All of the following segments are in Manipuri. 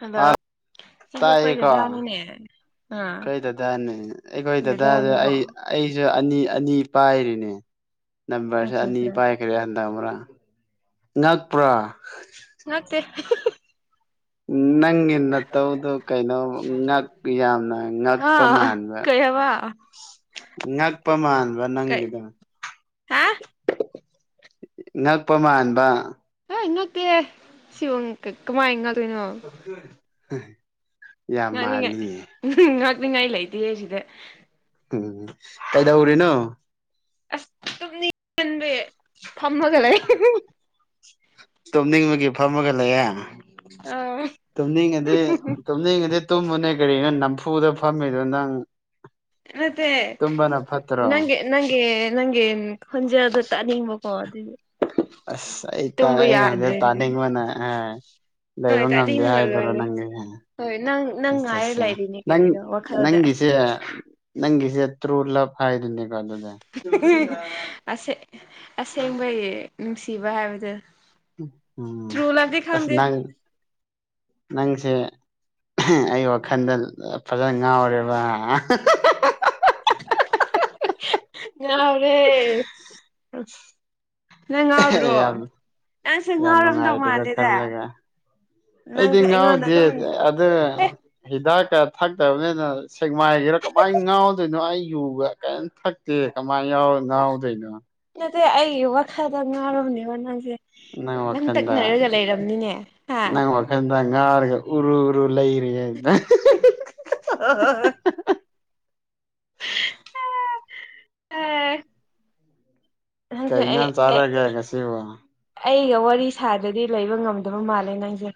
ꯍꯜꯂꯣ ꯑ ꯁꯤꯒꯤꯦꯈꯣꯏ ꯗꯥꯥꯅꯤꯅꯦ ꯀꯩ ꯗꯗꯥꯅꯦ ꯑꯩꯈꯣꯏ ꯗꯗꯥꯗ ꯗꯗꯥꯅꯦꯀꯣ ꯑꯩ ꯑꯩꯁꯨ ꯑꯅꯤ ꯑꯅꯤ ꯄꯥꯏꯔꯤꯅꯦ ꯅꯝꯕꯔꯁꯦ ꯑꯆꯥ ꯑꯅꯤ ꯑꯆꯥ ꯄꯥꯏꯈ꯭ꯔꯦ ꯍꯟꯗꯛ ꯑꯃ꯭ꯔꯥ ꯅꯥꯛꯄ꯭ꯔꯥ ꯅꯠꯇꯦ ꯎꯝ ꯆꯪꯒꯤꯟꯅ ꯇꯧꯗꯨ ꯀꯩꯅꯣ ꯌꯥꯝꯅ ꯉꯛꯄ ꯑꯥ ꯃꯥꯟꯕ ꯀꯩ ꯍꯥꯏꯕ ꯉꯛꯄ ꯃꯥꯟꯕ ꯀꯩ ꯅꯪꯒꯤꯗ ꯍꯥ ꯉꯛꯄ ꯃꯥꯟꯕ ꯀꯃꯥꯏ ꯉꯦ ꯁꯤꯕ ꯀꯃꯥꯏ [unintelligible] ꯉꯅꯤꯡꯉ ꯃꯥꯜꯂꯤꯌꯦ ꯉꯥꯛꯅꯤꯡꯉꯥꯏ ꯂꯩꯇ ꯍꯦꯁꯤꯗꯦ ꯎꯝ ꯀꯥꯏꯗꯎꯔꯤꯅꯣ ꯑꯁ ꯇꯅꯤ ꯆꯟꯕ ꯐꯝꯃꯒ ꯂꯩ ꯇꯣꯅꯤꯡꯕꯒꯤ ꯐꯝꯃꯒ ꯂꯩꯌꯦꯦ ꯑꯥ ꯇꯅꯤꯡꯉꯗꯤ ꯇꯅꯤꯡꯉꯗꯤ ꯇꯨꯝꯃꯅꯦ ꯀ ꯀꯔꯤ ꯅꯝꯐꯨꯗ ꯐꯝꯃꯤꯗꯣ ꯅꯪ ꯃꯠꯇꯦ ꯇꯨꯝꯕꯅ ꯐꯠꯇ꯭ꯔꯣ ꯅꯪꯒ ꯅꯪꯦ ꯅꯪꯦ ꯍꯣꯟꯖꯗꯠꯇ ꯅꯤꯡꯕꯣ ꯑꯁ ꯑꯩ ꯇ ꯌꯥꯗ꯭ꯔꯦꯅꯦ ꯇꯥꯅꯤꯡꯕꯅ ꯍꯣꯏ ꯂꯩꯕ ꯉꯝꯗꯦ ꯇꯥꯅꯤꯡꯕꯅ ꯍꯥꯏꯗꯔꯣ ꯂꯣꯏꯔꯦ ꯅꯪꯒ ꯍꯣꯏ ꯅꯪ ꯅꯪ ꯑꯆꯥ ꯉꯥꯏꯔ ꯑꯆꯥ ꯂꯩꯔꯤꯅꯦ ꯅꯪ ꯀꯔꯤꯅꯣ ꯋꯥꯈꯜꯗ ꯑꯁ ꯅꯪꯁꯤꯦ ꯅꯪꯁꯤꯦ ꯇꯨꯂ ꯍꯥꯏꯅꯦ ꯑꯁꯦꯡꯕꯩ ꯅꯨꯡꯁꯤꯕ ꯍꯥꯏꯕꯗꯨ ꯎꯝ ꯇ꯭ꯔꯨ ꯂꯞꯗꯤ ꯑꯁ ꯈꯪꯗꯦ ꯅꯪ ꯅꯪꯁꯦ ꯑꯩ ꯋꯥꯈꯜꯗ ꯐꯖꯅ ꯉꯥꯎꯔꯦꯕꯥꯍꯥ ꯌꯥꯔꯦ ꯌꯥꯝ ꯅꯪꯁꯦ ꯌꯥꯝ ꯉꯥꯎꯔꯝꯗꯧ ꯣꯡꯉꯥꯏꯗꯤ ꯀ ꯃꯥꯜꯂꯦꯗ ꯈꯦꯜꯂꯒꯦ ꯑꯩꯗꯤ ꯅꯪꯁꯦ ꯑꯩꯉꯣꯟꯗ ꯉꯎꯗꯤꯦ ꯑꯗꯨꯝ ꯑꯦ ꯑꯗꯨꯗ ꯍꯤꯗꯥꯛ ꯊꯛꯇꯕꯅꯤꯅ ꯁꯦꯛꯃꯥꯏꯒꯤꯔ ꯀꯃꯥꯏꯅ ꯉꯥꯎꯗꯣꯏꯅꯣ ꯑꯩ ꯌꯨꯕ ꯀꯔꯤꯝ ꯊꯛꯇꯦ ꯀꯃꯥꯏꯅ ꯅꯅꯥꯎꯗꯅ ꯗꯤ ꯑꯩꯒꯤ ꯋꯥꯈꯜꯗ ꯉꯥꯡꯔꯕꯅꯦꯕ ꯅꯪꯁꯦ ꯅꯪ ꯂꯪ ꯋꯥꯈꯟꯗ ꯇꯛꯅꯔꯒ ꯂꯩꯔꯕꯝꯅꯤꯅꯦ ꯍꯥ [unintelligible] ꯉꯥꯔꯒ ꯎꯔꯨ ꯎꯔꯨ ꯂꯩꯔꯒꯦ ꯑ ꯑ ꯑ ꯍꯁꯦ ꯀꯩ ꯑꯦ ꯏꯟꯖꯥꯡ ꯆꯥꯔꯒꯦ ꯉꯁꯤꯕꯣ ꯑꯩꯒ ꯋꯥꯔꯤ ꯁꯥꯗꯗꯤ ꯂꯩꯕ ꯉꯝꯗꯕ ꯃꯥꯜꯂꯦ ꯅꯪꯁꯦ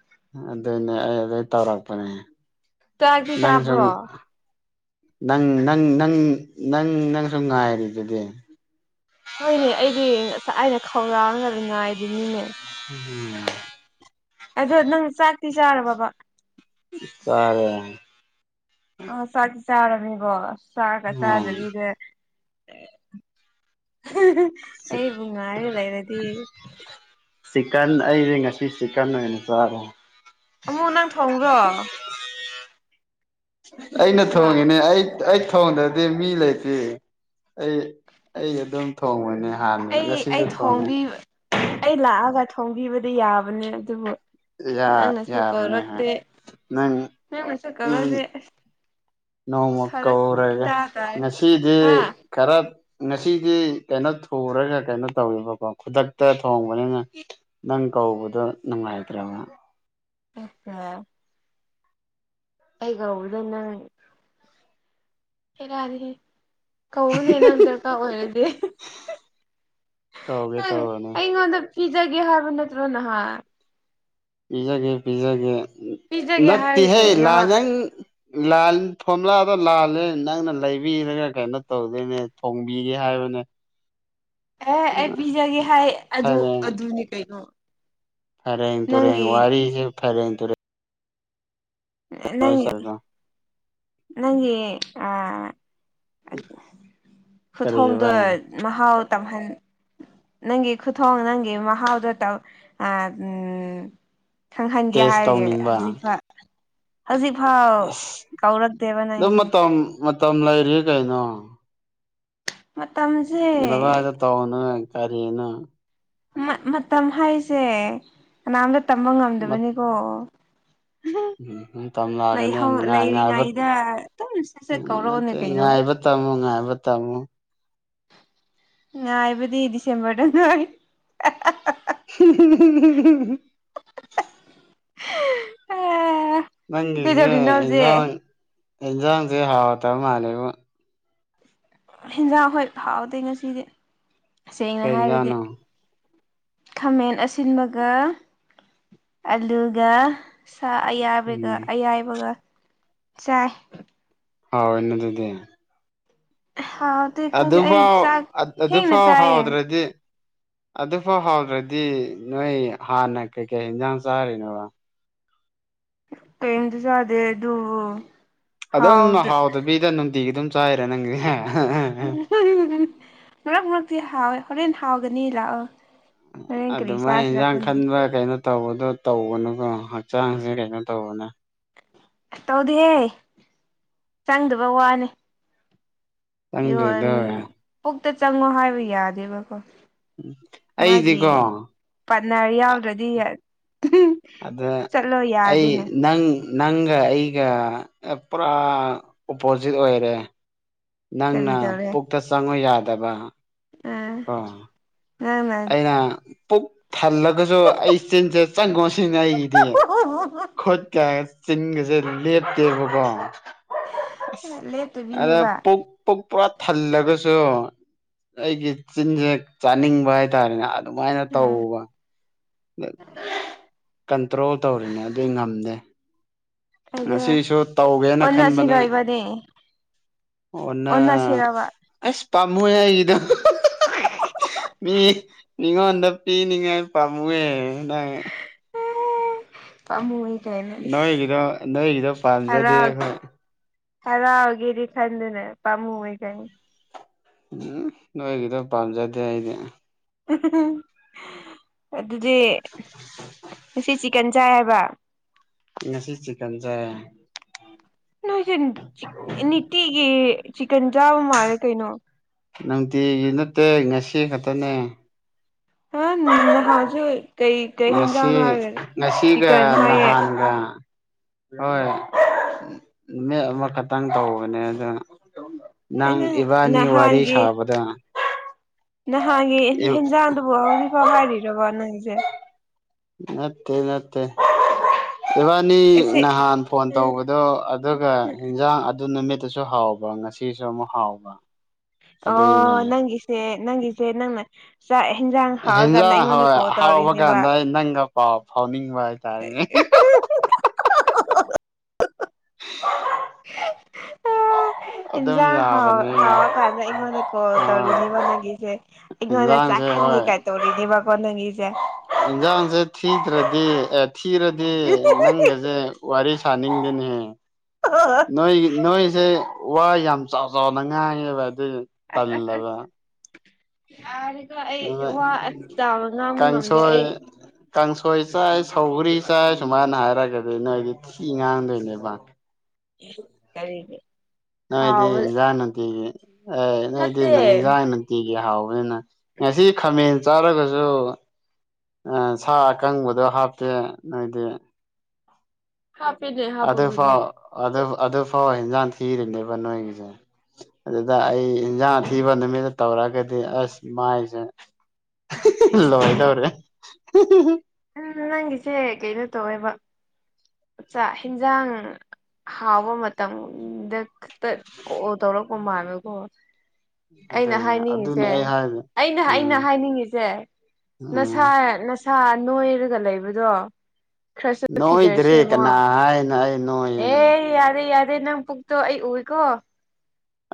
ꯑꯗꯨꯏꯅꯦ ꯑꯩ ꯑꯗꯨꯏ ꯇꯧꯔꯛꯄꯅꯦ ꯇꯥꯇꯗꯤ ꯆꯥꯞꯔꯣ ꯅꯪꯁꯨ ꯅꯪ ꯅꯪ ꯅꯪ ꯅꯪ ꯅꯪꯁꯨꯨꯝ ꯉꯥꯏꯔꯤꯗꯨꯗꯤ ꯑꯁ ꯑꯩꯅ ꯈꯧꯔꯥꯡꯒ ꯉꯥꯏꯔꯤꯣꯏꯅꯤꯅꯦ ꯎꯝ ꯑꯗꯣ ꯅꯪ ꯆꯥꯛꯇꯤ ꯆꯥꯔꯕꯕꯥ ꯐꯔꯦ ꯑ ꯆꯥꯛꯁꯤ ꯆꯥꯔꯅꯤꯕꯣ ꯆꯥꯛꯀ ꯎꯝ ꯆꯥꯗꯕꯤꯗ ꯑꯩꯕꯨ ꯉꯥꯏꯔꯒ ꯂꯩꯔꯗꯤ ꯆꯤꯀꯟ ꯑꯩꯁꯦ ꯉꯁꯤ ꯆꯤꯛꯀꯟ ꯑꯣꯏꯅ ꯆꯥꯔꯣ ꯑꯃꯨꯛ ꯅꯪ ꯊꯣꯡꯕ꯭ꯔꯣ ꯑꯩꯅ ꯍꯥ ꯊꯣꯡꯉꯤꯅꯦ ꯑꯩ ꯑꯩ ꯊꯣꯡꯗ꯭ꯔꯗꯤ ꯃꯤ ꯂꯩꯇꯦ ꯑꯩ ꯑꯩ ꯑꯗꯨꯝ ꯊꯣꯡꯕꯅꯦ ꯍꯥꯟꯅ ꯑꯩ ꯉꯁꯤꯁꯨ ꯑꯩ ꯊꯣꯡꯉꯦ ꯊꯣꯡꯕꯤ ꯑꯩ ꯂꯥꯛꯑꯒ ꯊꯣꯡꯕꯤꯕꯗꯤ ꯌꯥꯕꯅꯦ ꯑꯗꯨꯕꯨ ꯌꯥ ꯅꯪꯅꯁꯨ ꯌꯥꯕꯅꯦ ꯍꯣꯏ ꯀꯧꯔꯛꯇꯦ ꯅꯪ ꯅꯪꯅꯁꯨ ꯅꯪ ꯀꯧꯔꯛꯇꯦ ꯅꯣꯡꯃ ꯐꯔꯛ ꯀꯧꯔꯒꯦ ꯏꯇꯥ ꯇꯥꯏ ꯉꯁꯤꯗꯤ ꯍꯥ ꯈꯔ ꯉꯁꯤꯗꯤ ꯀꯩꯅꯣ ꯊꯨꯔꯒ ꯀꯩꯅꯣ ꯇꯧꯋꯦꯕꯀꯣ ꯈꯨꯗꯛꯇ ꯊꯣꯡꯕꯅꯤꯅ ꯅꯪ ꯀꯧꯕꯗꯣ ꯅꯨꯡꯉꯥꯏꯇ꯭ꯔꯕ ꯑꯥ ꯌꯥꯔꯦ ꯑꯩꯒ ꯍꯗꯅ ꯍꯒꯔꯤꯍꯦ ꯀꯅꯦ ꯍ ꯅꯪ ꯗꯔꯀꯥꯔ ꯑꯣꯏꯔꯗꯤꯣꯏ ꯀꯧꯒꯦ ꯇꯧꯕꯅꯦ ꯑꯩꯉꯣꯟꯗ ꯐꯤꯖꯒꯦ ꯍꯥꯏꯕ ꯅꯠꯇ꯭ꯔꯣ ꯅꯍꯣꯏ ꯄꯤꯖꯒꯦ ꯄꯤꯖꯒꯦ ꯄꯤꯖꯒꯦ ꯍꯥꯏꯔꯒ ꯅꯠꯇꯦꯍꯦ ꯀꯩꯅꯣ ꯂꯥꯖꯪ ꯊꯣꯝꯂꯥꯗ ꯂꯥꯜꯂꯦ ꯅꯪꯅ ꯂꯩꯕꯤꯔꯒ ꯀꯩꯅꯣ ꯇꯧꯗꯣꯏꯅꯦ ꯊꯣꯡꯕꯤꯒꯦ ꯍꯥꯏꯕ [unintelligible] ꯑꯦ ꯑꯩ ꯄꯤꯖꯒꯦ ꯍꯥꯏ ꯑꯗꯨ ꯐꯔꯦꯡ ꯑꯗꯨꯅꯤ ꯀꯩꯅꯣ ꯐꯔꯦꯡ ꯇꯨꯔꯦꯡ ꯅꯪꯒꯤ ꯋꯥꯔꯤꯁꯦ ꯐꯔꯦꯡ ꯇꯨꯔꯦꯡ ꯂꯩ ꯅꯪꯒꯤ ꯑ ꯀꯔꯤ ꯈꯨꯊꯣꯡꯗꯣ ꯚꯥꯏ ꯃꯍꯥꯎ ꯇꯝꯍꯟ ꯅꯪꯒꯤ ꯈꯨꯊꯣꯣꯡ ꯅꯪꯒꯤ ꯃꯍꯍꯥꯎꯗꯠꯇ ꯑ ꯎꯝ ꯈꯪꯍꯟꯒꯦ ꯇꯦꯁ ꯍꯥꯏꯔꯒꯦ ꯇꯧꯅꯤꯡꯕ ꯍꯧꯖꯤꯛꯐ ꯍꯧꯖꯤꯛꯐꯥꯎ ꯑꯁ ꯀꯧꯔꯛꯇꯦꯕꯅ ꯑꯗꯨꯝ ꯑꯩꯁꯦ ꯃꯇꯝ ꯃꯇꯝ ꯂꯩꯔꯤ ꯀꯩꯅꯣ ꯃꯇꯝꯁꯦ ꯚꯗ ꯇꯧꯅ ꯀꯔꯤꯅ ꯃꯇꯝ ꯍꯥꯏꯁꯦ ꯀꯅꯥꯝꯇ ꯇꯝꯕ ꯉꯝꯗꯕꯅꯤꯀꯣ ꯎꯝ ꯇꯝꯂꯛꯑꯒꯅꯤ ꯂꯩꯍꯧ ꯉꯥꯏ ꯉꯥꯏꯕ ꯂꯩꯔꯤꯉꯩꯗ ꯑꯗꯨꯝ ꯁꯠ ꯁꯠ ꯀꯧꯔꯛꯑꯣꯅꯦ ꯅꯠꯇꯦ ꯀꯩꯅꯣ ꯉꯥꯏꯕ ꯇꯥꯃꯨ ꯉꯥꯏ ꯇꯥꯃꯨ ꯅꯏꯕꯗꯤ ꯗꯤꯁꯦꯝꯕꯔꯅ [unintelligible] ꯑꯥ ꯅꯥꯪꯒꯤꯁꯦ ꯀꯩꯗꯧꯔꯤꯅꯣ ꯍꯧꯖꯤꯛ ꯑꯦꯟꯁꯪꯁꯦ ꯍꯥꯑꯣꯇꯥꯕꯥ ꯃꯜꯂꯦꯕꯣ ꯍꯦꯟꯖꯥꯡ ꯍꯣꯏ ꯐꯥꯎꯗꯦ ꯉꯁꯤꯗꯤꯁꯦꯡꯅ ꯀꯩ ꯍꯥꯏꯔꯗꯤ ꯏꯟꯖꯥꯡꯅꯣ ꯈꯥꯃꯦꯟ ꯑꯁꯤꯟꯕꯒ ꯑꯂꯨꯒ ꯁꯥ ꯑꯌꯥꯏꯕꯒ ꯎꯝ ꯑꯌꯥꯏꯕꯒ ꯆꯥꯏ ꯍꯥꯎꯗꯤꯗꯦ [unintelligible] ꯑꯗꯨ ꯈꯪꯗꯦ ꯑꯗꯨ ꯑꯩ ꯐꯥꯎ ꯆꯥꯛ ꯑꯗꯨ ꯑꯗꯨ ꯊꯦꯡꯅ ꯐꯥꯎ ꯆꯥꯏꯌꯦ ꯍꯥꯎꯗ꯭ꯔꯗꯤ ꯑꯗꯨꯐꯥꯎ ꯍꯥꯎꯗ꯭ꯔꯗꯤ ꯅꯣꯏ ꯍꯥꯟꯅ ꯀꯩꯀꯩ ꯌꯦꯟꯖꯥꯡ ꯆꯥꯔꯤꯅꯣꯕ ꯀꯩꯗꯤ ꯆꯗꯦ ꯑꯗꯨ ꯑꯗꯨꯝ ꯍꯥꯎꯗꯕꯤꯗ ꯅꯨꯡꯇꯤꯒꯤ ꯑꯗꯨꯝ ꯆꯥꯏꯔꯦ ꯅꯪꯁꯦ ꯃꯔꯛ ꯃꯔꯛꯇꯤ ꯍꯥꯎꯋꯦ ꯍꯣꯔꯦꯟ ꯍꯥꯎꯒꯅꯤ ꯂꯥꯛꯑꯣ ꯍꯣꯔꯦꯟ ꯑꯗꯨ ꯀꯔꯤ ꯃꯥꯏ ꯆꯥꯁꯤꯔ ꯏꯟꯖꯥꯡ ꯈꯪꯗꯦ ꯈꯟꯕ ꯀꯩꯅꯣ ꯇꯧꯕꯗꯣ ꯇꯧꯕꯅꯨꯀꯣ ꯍꯛꯆꯥꯡꯁꯦ ꯀꯩꯅꯣ ꯇꯧꯕꯅꯦ ꯑꯁ ꯇꯧꯗꯍꯦ ꯆꯪꯗꯕ ꯋꯥꯅꯤ ꯅꯪꯗꯨꯗꯣ ꯄꯨꯛꯇ ꯆꯪꯉꯣ ꯍꯥꯏꯕ ꯌꯥꯗꯦꯕꯀꯣ ꯑꯩꯗꯤꯀꯣ ꯄꯔ ꯌꯥꯎꯥꯎꯔꯗꯤ ꯑꯗ ꯑꯩ ꯅꯪ ꯅꯪꯒ ꯑꯩꯒ ꯄꯨꯔꯥ ꯑꯣꯄꯣꯖꯤꯠ ꯑꯣꯏꯔꯦ ꯀꯔꯤ ꯅꯪꯅ ꯄꯨꯛꯇ ꯆꯪꯉꯨ ꯌꯥꯗꯕ ꯑ ꯀꯣ ꯑꯩꯅ ꯄꯨꯛ ꯊꯜꯂꯒꯁꯨ ꯑꯩꯆꯤꯟꯁꯦ ꯆꯪꯉꯣ ꯁꯤꯅ ꯑꯩꯒꯤꯗꯤ ꯈꯠ ꯀꯌꯥꯒ ꯆꯤꯟꯒꯁꯦ ꯂꯦꯞꯇꯦꯕꯀꯣ ꯑꯗ ꯂꯦꯞꯇꯕꯤꯅꯦꯕ ꯄ ꯄꯨꯔꯥ ꯊꯜꯂꯒꯁꯨ ꯑꯩꯒꯤ ꯆꯤꯟꯁꯦ ꯆꯥꯅꯤꯡꯕ ꯍꯥꯏꯇꯥꯔꯦꯅꯦ ꯑꯗꯨꯃꯥꯏꯅ ꯑꯥ ꯇꯧꯕ ꯀꯟꯇ꯭ꯔꯣꯜ ꯇꯧꯔꯤꯅꯦ ꯑꯗꯨꯗꯤ ꯉꯝꯗꯦ ꯑꯗ ꯉꯁꯤꯁꯨ ꯇꯧꯒꯦꯅ ꯈꯟꯕꯅꯦ ꯑꯣꯟꯅꯁꯤꯔꯣ ꯏꯕꯥꯅꯤ ꯑꯣꯟꯅ ꯑꯣꯟꯅꯁꯤꯔꯕ ꯑꯁ ꯄꯥꯝꯃꯨ ꯑꯩꯒꯤꯗꯣ ꯃꯤ ꯃꯤꯉꯣꯟꯗ ꯄꯤꯤ ꯅꯤꯡꯉ ꯄꯥꯝꯋꯦ ꯇꯥꯃꯨ ꯅꯣꯏꯒꯤꯗꯣ ꯅꯣꯏꯒꯤꯗꯣ ꯄꯥꯝꯖꯗꯦ ꯍꯔꯥꯎ ꯑꯩꯈꯣꯏ ꯍꯔꯥꯎꯒꯦꯗꯤ ꯈꯟꯗꯦꯅꯦ ꯄꯥꯝꯃꯨꯉꯩ ꯀꯅꯤ ꯎꯝ ꯅꯣꯏꯒꯤꯗꯣ ꯄꯥꯝꯖꯗꯦ ꯑꯩꯗꯤ ꯑꯗꯨꯗꯤ ꯉ ꯆꯤ ꯀꯦꯟꯖꯥꯏ ꯍꯥꯏꯕ ꯉꯁꯤ ꯆꯤ ꯀꯟꯁꯦ ꯅ ꯅꯇꯤꯒꯤ ꯅꯨꯡꯇꯤꯒꯤ ꯅꯠꯇꯦ ꯉꯁꯤ ꯈꯛꯇꯅꯦ ꯑ ꯅꯍꯖ ꯉꯁꯤ ꯉꯁꯤꯒ ꯆꯤꯛꯀꯟ ꯍꯥꯏꯌꯦ ꯅꯍꯥꯟꯒ ꯍꯣꯏ ꯑꯃꯈꯛꯇꯪ ꯇꯧꯕꯅꯦ ꯑꯗꯨ ꯅꯪ ꯑꯩꯅ ꯏꯕꯥꯅꯤ ꯋꯥꯔꯤ ꯅꯍꯥꯟꯒꯤ ꯁꯥꯕꯗ ꯅꯍꯥꯟꯒꯤ ꯍꯦꯟꯖꯥꯡꯗꯨꯕꯨ ꯍꯧꯖꯤꯛꯐꯥꯎ ꯍꯥꯏꯔꯤꯔꯕꯣ ꯅꯪꯁꯦ ꯅꯠꯇꯦ ꯅꯠꯇꯦ ꯏꯕꯥꯅꯤ ꯑꯩꯁꯦ ꯅꯍꯥꯟ ꯐꯣꯟ ꯇꯧꯕꯗꯣ ꯑꯗꯨꯒ ꯏꯟꯖꯥꯡ ꯑꯗꯨ ꯅꯨꯃꯤꯠ ꯇꯁꯨ ꯍꯥꯎꯕ ꯉꯁꯤꯁꯨ ꯑꯃꯨꯛ ꯍꯥꯎꯕ ꯑꯣ ꯑꯗꯨꯏꯅꯦ ꯅꯪꯒꯤꯁꯦ ꯅꯪꯒꯤꯁꯦ ꯅꯪꯅ ꯆꯥꯛ ꯌꯦꯟꯖꯥꯡ ꯍꯥꯎꯔꯀꯥꯟꯗ ꯍꯦꯟꯖꯥꯡ ꯑꯩꯉꯣꯟꯗ ꯍꯣꯏ ꯀꯣꯜ ꯍꯥꯎꯕ ꯇꯧꯔꯤꯅꯦꯕ ꯀꯥꯟꯗ ꯑꯩ ꯅꯪꯒ ꯄꯥꯎ ꯐꯥꯎꯅꯤꯡꯕ ꯍꯥꯏꯇꯥꯔꯦꯅꯦ [inaudible] [unintelligible] [unintelligible] ꯑ ꯖ ꯑꯗꯨꯝ ꯍ ꯌꯥꯕꯅꯦ ꯍꯋꯥꯥ ꯀꯥꯥꯟ ꯏꯉꯅꯀꯣ ꯑꯥ ꯗꯔꯤꯅꯦꯕ ꯂꯒꯁꯦ ꯏꯉꯣꯟꯅ ꯆ ꯏꯟꯖꯥꯡꯁꯦ ꯍꯥꯟꯉ ꯀꯥꯏ ꯇꯧꯔꯤꯅꯦꯕꯀꯣ ꯅꯪꯉꯁꯦ ꯏꯟꯁꯥꯡꯁꯦ ꯊꯤꯗ꯭ꯔꯗꯤ ꯑꯦ ꯊꯤꯔꯗꯤ ꯅꯪꯒꯁꯦ ꯋꯥꯔꯤ ꯁꯥꯅꯤꯡꯗꯦꯅꯤꯍꯦ ꯑꯁ ꯅꯣꯏ ꯅꯣꯏꯁꯦ ꯋꯥ ꯌꯥꯝ ꯆꯥꯎ ꯆꯥꯎꯅ ꯉꯥꯏꯑꯦꯕ ꯑꯗꯨ ꯇꯜꯂꯕ ꯌꯥꯔꯒ ꯑꯩ ꯑꯗꯨꯅ ꯋꯥ ꯆꯥꯕ ꯉꯥꯡꯕ ꯉꯝꯗꯦ ꯀꯥꯡꯁꯣꯏ ꯑꯩ ꯀꯥꯡꯁꯣꯏ ꯆꯥꯏ ꯁꯧꯒ꯭ꯔꯤ ꯆꯥꯏ ꯁꯨꯃꯥꯏꯅ ꯍꯥꯏꯔꯒꯗꯤ ꯅꯣꯏꯗꯤ ꯊꯤ ꯉꯥꯡꯗꯣꯏꯅꯦꯕ ꯀꯔꯤꯗꯤ ꯅꯣꯏꯗꯤꯖꯥꯅꯇꯤꯒꯤ ꯑꯦ ꯅꯠꯇꯦ ꯅꯣꯏꯗꯤꯖꯥꯅꯇꯤꯒꯤ ꯍꯥꯎ ꯑꯗꯨꯅ ꯉꯁꯤ ꯈꯥꯃꯦꯟ ꯆꯥꯔꯒꯁꯨ ꯁꯥ ꯑꯀꯪꯕꯗꯣ ꯍꯥꯞꯇꯦ ꯅꯣꯏꯗꯤ ꯍꯥꯞꯄꯦꯅꯦ ꯍꯥꯞꯄꯕꯨꯗꯤ ꯑꯗꯨꯐꯥꯎ ꯑꯗꯨ ꯑꯗꯨꯐꯥꯎ ꯏꯟꯖꯥꯡ ꯊꯤꯔꯤꯅꯦꯕ ꯅꯣꯏꯒꯤꯁꯦ ꯑꯗꯨꯗ ꯑꯩ ꯏꯟꯁꯥꯡ ꯊꯤꯕ ꯅꯨꯃꯤꯠꯇ ꯇꯧꯔꯛꯑꯒꯗꯤ ꯑꯁ ꯏ ꯃꯥꯏꯁꯦ ꯂꯣꯗ꯭ꯔꯦ ꯎ ꯅꯪꯒꯤꯁꯦ ꯀꯩꯅꯣ ꯇꯧꯋꯦꯕꯆꯥ ꯍꯦꯟꯖꯥꯡ ꯍꯥꯎꯕ ꯃꯇꯝꯗꯛꯇ ꯀꯜꯂ ꯇꯧꯔꯛꯄ ꯃꯥꯜꯂꯦꯀꯣ ꯑꯩꯅ ꯑꯗꯨꯅꯦ ꯑꯗꯨꯅꯦ ꯍꯥꯏꯅꯤꯡꯉꯤꯁꯦ ꯑꯩ ꯍꯥꯏꯁꯦ ꯑꯩꯅ ꯑꯩꯅ ꯎꯝ ꯍꯥꯏꯅꯤꯡꯉꯤꯁꯦ ꯎꯝ ꯅꯁꯥ ꯅꯁꯥ ꯅꯣꯏꯔꯒ ꯂꯩꯕꯗꯣ ꯈ꯭ꯔꯁ ꯅꯣꯏꯗ꯭ꯔꯦ ꯐꯤꯒꯔꯁꯦꯃꯣ ꯀꯅꯥ ꯍꯥꯏꯅ ꯑꯩ ꯅꯣꯏꯌꯦꯅ ꯑꯦ ꯌꯥꯔꯦ ꯌꯥꯔꯦ ꯑꯗꯗꯤ ꯅꯪ ꯄꯨꯛꯇꯣ ꯑꯩ ꯎꯏꯀꯣ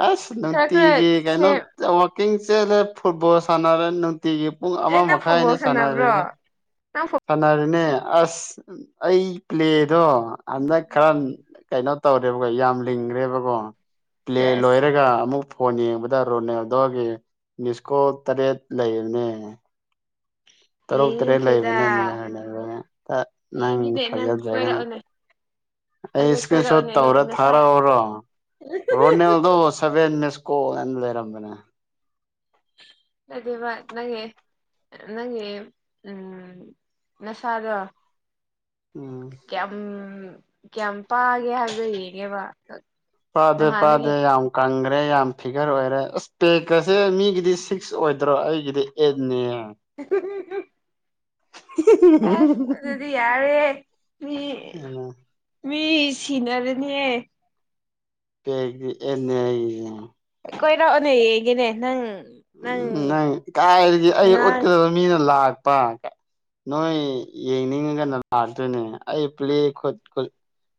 ꯑꯁ ꯈꯔ ꯈꯔ ꯅꯨꯡꯇꯤꯒꯤ ꯀꯩꯅꯣ ꯁꯦꯝ ꯋꯥꯀꯤꯡ ꯆꯦꯂꯦ ꯐꯨꯠꯕꯣꯜ ꯁꯥꯟꯅꯔꯦ ꯅꯨꯡꯇꯤꯒꯤ ꯄꯨꯡ ꯑꯃ ꯑꯦ ꯅꯪ ꯃꯈꯥꯏꯅꯤ ꯐꯨꯠꯕꯣꯜ ꯁꯥꯟꯅꯔꯤꯁ ꯁꯥꯟꯅꯕ꯭ꯔꯣ ꯅꯪ ꯑꯁ ꯑꯩ ꯄ꯭ꯂꯦꯗꯣ ꯍꯟꯗꯛ ꯈꯔ ꯀꯩꯅꯣ ꯇꯧꯔꯦ ꯌꯥꯝ ꯂꯤꯡꯈ꯭ꯔꯦꯕꯀꯣ ꯄ꯭ꯂꯦ ꯁꯦꯁ ꯂꯣꯏꯔꯒ ꯑꯃꯨꯛ ꯐꯣꯟ ꯌꯦꯡꯕꯗ ꯔꯣꯅꯦꯜꯗꯣꯒꯤ ꯃꯤꯁꯀꯣ ꯇꯔꯦꯠ ꯂꯩꯕꯅꯦ ꯇꯔꯨꯛ ꯇꯔꯦꯠ ꯌꯦꯡꯅꯤꯡꯈ꯭ꯔꯦꯗ ꯂꯩꯕꯅꯦ ꯃꯤ ꯅꯪ ꯌꯦꯡꯈꯤꯅꯦ ꯅꯪ ꯊꯥꯖꯗꯒꯅ ꯀꯣꯏꯔꯛꯎꯅꯦ ꯑꯩ ꯑꯗꯨ ꯏꯁꯀ꯭ꯔꯤꯟ ꯁꯣꯠ ꯀꯣꯏꯔꯛꯎꯅꯦ ꯅꯪꯒꯤ ꯇꯧꯔ ꯅꯁꯥ ꯊꯥꯔꯥꯎꯔꯣ ꯔꯅꯦꯜꯗ ꯁꯚꯦꯟ ꯃꯦꯁꯀꯣ ꯂꯩꯔꯔꯕꯕꯅ ꯑꯗꯨꯗꯤꯕ ꯅꯪꯒꯤ ꯅꯪꯒꯤ ꯎꯝ ꯅꯁꯥꯗꯣ ꯎꯝ ꯀꯌꯥꯝ ꯀꯌꯥꯝ ꯄꯥꯒꯦ ꯍꯥꯏꯕꯗꯣ ꯌꯦꯡꯉꯦꯕ ꯄꯥꯗꯦ ꯄꯥꯗꯦ ꯅꯍꯥꯟꯗꯒꯤ ꯌꯥꯝ ꯀꯪꯈ꯭ꯔꯦ ꯌꯥꯝ ꯐꯤꯒꯔ ꯑꯣꯏꯔꯦ ꯑꯁ ꯄꯦꯛꯀꯁꯦ ꯃꯤꯒꯤꯗꯤ ꯁꯤꯛꯁ ꯑꯣꯏꯗ꯭ꯔꯣ ꯑꯩꯒꯤꯗꯤ ꯑꯩꯠꯅꯦ [inaudible] ꯑ ꯑꯗꯨꯗꯤ ꯌꯥꯔꯦ ꯃꯤ ꯎꯝ ꯃꯤ ꯁꯤꯅꯔꯅꯤꯌꯦ ꯀ ꯑꯦꯟꯅ [unintelligible] ꯀꯣꯏꯔꯛꯑꯣꯅꯦ ꯑꯩꯒꯤꯅꯦ ꯅꯪ ꯎꯝ ꯅꯪ ꯀꯥꯏꯔꯗꯤ ꯑꯩ ꯉꯥꯡ ꯎꯠꯀꯗꯕ ꯃꯤꯅ ꯂꯥꯛꯄ ꯅꯣꯏ ꯌꯦꯡꯅꯤꯡꯉꯒꯅ ꯂꯥꯛꯇꯣꯏꯅꯦ ꯑꯩ ꯄ꯭ꯂꯦ ꯈꯨꯠ ꯈꯨꯠ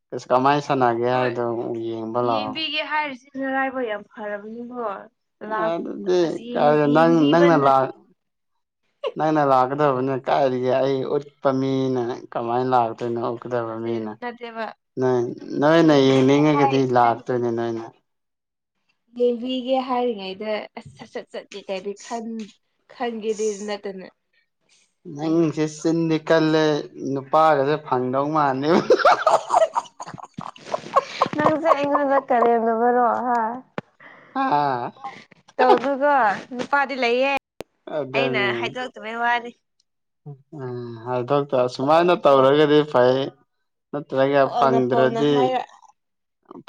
ꯀꯁ ꯀꯃꯥꯏꯅ ꯁꯥꯟꯅꯒꯦ ꯅꯣꯏ ꯍꯥꯏꯗꯣ ꯌꯦꯡꯕ ꯂꯥꯛꯑꯣ ꯑꯅꯔꯥꯏꯕ ꯌꯥꯝ ꯐꯔꯕꯅꯤꯕꯣ ꯑꯗꯨꯗꯤ ꯀ ꯅꯪ ꯌꯦꯡꯕꯤꯕ ꯅꯪꯅ ꯂꯥꯛ ꯅꯠꯇꯦ ꯅꯪ ꯅ ꯂꯥꯛꯀꯗꯕꯅꯦ ꯀꯥꯏꯔꯤꯒꯦ ꯑꯩ ꯎꯠꯄ ꯃꯤꯅ ꯀꯃꯥꯏꯅ ꯂꯥꯛ ꯅꯧ ꯀꯗꯕꯃꯤꯅ ꯅꯠꯇꯦꯕ ꯅꯣꯏ ꯅꯣꯏꯅ ꯌꯦꯡꯕꯤꯒꯦ ꯍꯥꯏ ꯌꯦꯡꯅꯤꯡꯉꯒꯗꯤ ꯍꯥꯏꯕ ꯂꯥꯛꯇꯣꯏꯅꯦ ꯅꯣꯏꯅ ꯌꯦꯡꯕꯤꯒꯦ ꯍꯥꯏꯔꯤꯉꯩꯗ ꯑꯁ ꯁꯠ ꯁꯠ ꯆꯠꯀꯦ ꯀꯩꯗ ꯈꯟ ꯈꯪꯒꯦꯔꯤꯔꯅꯇꯅ ꯅꯪꯁꯦ ꯆꯤꯟꯗꯤ ꯀꯜꯂꯦ ꯅꯨꯄꯥꯒꯁꯦ ꯐꯪꯗꯧ ꯃꯥꯜꯂꯦꯕ ꯑ ꯅꯪꯁꯦ ꯑꯩꯉꯣꯟꯗ ꯀꯔꯦꯝꯗꯕꯔꯣ ꯍꯥ ꯑꯥ ꯇꯧ ꯑꯗꯨꯒꯒ ꯅꯨꯄꯥꯗꯤ ꯂꯩꯌꯦꯦ ꯑꯩꯅ ꯑꯗꯨꯅꯤ ꯍꯥꯏꯗꯣꯔꯛꯇꯃꯩ ꯋꯥꯔꯤꯅꯤ ꯎꯝ ꯍꯥꯏꯗꯣꯛꯇ ꯁꯁꯨꯃꯥꯏꯅ ꯐꯣꯡ ꯇꯧꯔꯒꯗꯤ ꯐꯩ ꯅꯠꯇ꯭ꯔꯒ ꯐꯣꯡꯅ ꯐꯣꯡꯅ ꯐꯪꯗ꯭ꯔꯗꯤ ꯍꯥꯏꯔ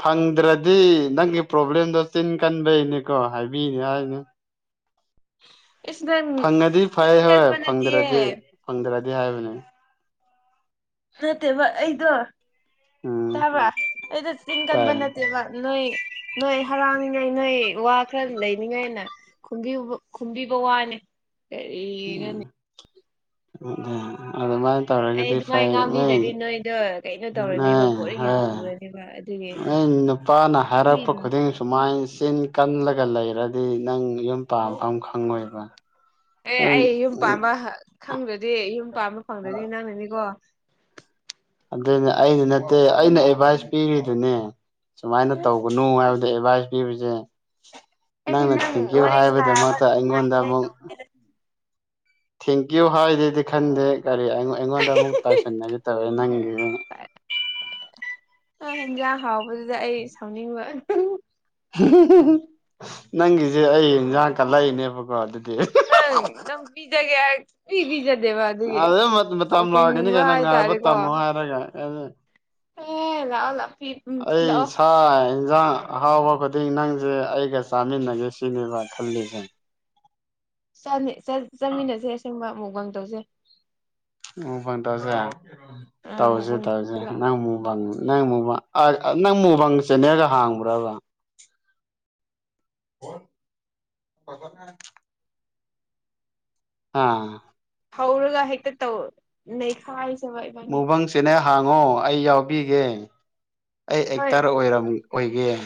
ꯐꯪꯗ꯭ꯔꯗꯤ ꯅꯪꯒꯤ ꯄ꯭ꯔꯣꯕ꯭ꯂꯦꯝꯗꯣ ꯆꯤꯟ ꯀꯟꯕꯩꯅꯤꯀꯣ ꯍꯥꯏꯕꯤꯅꯤ ꯍꯥꯏꯅꯤ [inaudible] ꯐꯪꯉꯗꯤ ꯆꯤꯟ ꯐꯩ ꯍꯣꯏ ꯀꯟꯕ ꯅꯠꯇꯤꯌꯦ ꯐꯪꯗ꯭ꯔꯗꯤ ꯐꯪꯗ꯭ꯔꯗꯤ ꯍꯥꯏꯕꯅꯤ ꯃꯠꯇꯦꯕ ꯑꯩꯗꯣ ꯎꯝ ꯇꯥꯕ꯭ꯔꯥ ꯑꯩꯗ ꯆꯤꯟ ꯀꯟꯕ ꯇꯥꯏ ꯅꯠꯇꯦꯕ ꯅꯣꯏ ꯅꯣꯏ ꯍꯔꯥꯡ ꯪꯅꯤꯡꯉꯥꯏ ꯅꯣꯏ ꯋꯥ ꯈꯔ ꯂꯩꯅꯤꯡꯉꯥꯏꯅ ꯈꯨꯝꯕꯤꯕ ꯋꯥꯅꯤ ꯀꯔꯤꯒꯅꯤ ꯑ ꯑꯗꯨ ꯃꯥ ꯑꯩ ꯑꯗꯨꯃꯥꯏꯅ ꯉꯥꯡꯝꯕꯤꯗ꯭ꯔꯗꯤ ꯅꯣꯏꯗꯣ ꯀꯩꯅꯣ ꯇꯧꯔꯅꯦꯕ ꯕꯣꯣꯔꯡ ꯌꯥꯝ ꯆꯨꯔꯅꯦꯕ ꯑꯗꯨꯒꯤ ꯑ ꯅꯨꯄꯥꯅ ꯍꯥꯏꯔꯛꯄ ꯉꯥꯡꯕꯤꯔꯤꯅꯤ ꯈꯨꯗꯤꯡ ꯁꯨꯃꯥꯏꯅ ꯆꯤꯟ ꯀꯜꯂꯒ ꯂꯩꯔꯗꯤ ꯅꯪ ꯌꯨꯝ ꯄꯥꯐꯝ ꯑꯃ ꯈꯪꯉꯣꯏꯕ ꯑꯦ ꯑꯩ ꯌꯨꯝ ꯄꯥꯝꯕ ꯈꯪꯗ꯭ꯔꯗꯤ ꯌꯨꯝ ꯄꯥꯝꯕ ꯐꯪꯗ꯭ꯔꯗꯤ ꯅꯪꯅꯅꯤꯀꯣ ꯑꯗꯨꯅꯦ ꯑꯩꯗꯤ ꯅꯠꯇꯦ ꯑꯩꯅ ꯑꯦꯗꯚꯥꯏꯁ ꯄꯤꯔꯤꯗꯨꯅꯦ ꯁꯨꯃꯥꯏꯅ ꯇꯧꯒꯅꯨ ꯍꯥꯏꯕꯗ ꯑꯦꯗꯚꯥꯏꯁ ꯄꯤꯕꯁꯦ ꯑꯩꯗꯤ ꯅꯪꯅ ꯅꯪ ꯊꯦꯡꯀ꯭ꯌꯨ ꯋꯥꯔꯤ ꯁꯥꯕ ꯍꯥꯏꯕꯒꯤꯗꯃꯛꯇ ꯑꯩꯉꯣꯟꯗ ꯅꯨꯡꯉꯥꯏꯅꯤꯉꯥꯏ ꯑꯃꯨꯛ ꯇꯧꯕꯅꯤꯗ ꯊꯦꯡꯀ꯭ꯌꯨ ꯍꯥꯏꯗꯤꯗꯤ ꯈꯟꯗꯦ ꯀꯔꯤ ꯑꯩꯉꯣꯟꯗ ꯑꯃꯨꯛ ꯇꯥꯏꯁꯤꯟꯅꯒꯦ ꯇꯧꯋꯦ ꯅꯪꯒꯤ ꯍꯣꯏ ꯍꯦꯟꯖꯥꯡ ꯍꯥꯎꯕꯗꯨꯗ ꯑꯩ ꯁꯥꯎꯅꯤꯡꯕ ꯅꯪꯒꯤꯁꯦ ꯑꯩ ꯏꯟꯖꯥꯡ ꯀꯠꯂꯛꯏꯅꯦꯕꯀꯣ ꯑꯗꯨꯗꯤ ꯅꯪ ꯅꯪꯕꯤꯖꯒꯦꯖꯦ ꯑꯗꯨ ꯃꯇꯝ ꯂꯥꯛꯀꯅꯤ ꯀꯩꯅꯪ ꯉꯥꯏꯕ ꯍꯥꯏꯇꯥꯔꯦꯀꯣ ꯇꯝꯃꯣ ꯍꯥꯏꯔꯒ ꯑꯦ ꯂꯥꯛꯑꯣ ꯂꯥꯛꯑꯣ ꯄꯤ ꯎꯝ ꯑꯩ ꯊꯤꯜꯂꯛꯑꯣ ꯁ ꯍꯟꯖꯥꯡ ꯍꯥꯎꯕ ꯈꯨꯗꯤꯡ ꯅꯪꯁꯦ ꯑꯩꯒ ꯆꯥꯃꯤꯟꯅꯒꯦ ꯁꯤꯅꯦꯕ ꯈꯜꯂꯤꯁꯦ ꯆꯠꯃꯤꯟꯅꯁꯦ ꯑꯁꯦꯡꯕ ꯑꯃꯨꯕꯪ ꯇꯧꯁꯦ ꯑꯣꯕ ꯇꯖꯦ ꯑ ꯇꯥꯎꯖꯦ ꯃꯨꯛꯕꯥꯡ ꯇꯎꯖꯦ ꯇꯧꯁꯦ ꯂꯥꯛꯑꯣ ꯅꯪꯃꯨꯕꯥꯡ ꯅꯪ ꯃꯨꯕꯥ ꯅꯪ ꯃꯨꯕꯥꯪ ꯆꯦꯅꯦꯔꯒ ꯍꯥꯡꯕ꯭ꯔꯕ ꯍ ꯄ ꯑꯥ ꯍꯧꯔꯒ ꯍꯦꯛꯇ ꯇꯧ ꯅꯩꯈꯥꯏꯖꯕ ꯏꯕꯥꯅꯤ ꯃꯨꯛꯕꯥꯡ ꯆꯦꯅꯦꯜ ꯍꯥꯡꯉꯣ ꯑꯩ ꯌꯥꯎꯕꯤꯒꯦ ꯑꯩ ꯍꯣꯏ ꯑꯦꯛꯇꯔ ꯑꯣꯏ ꯑꯣꯏꯒꯦ